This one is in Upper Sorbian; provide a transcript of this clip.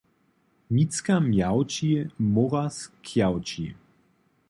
Micka mjawči móraz kjawči.